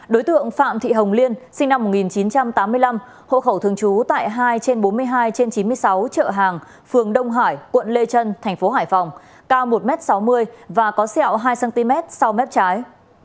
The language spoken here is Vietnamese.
đối tượng phạm thị hồng liên sinh năm một nghìn chín trăm tám mươi năm hộ khẩu thường trú tại hai trên bốn mươi hai trên chín mươi sáu chợ hàng phường đông hải quận lê trân thành phố hải phòng cao một m sáu mươi và có sẹo hai cm sau mép trái